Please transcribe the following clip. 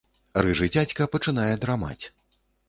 Рыжы дзядзька пачынае драмаць.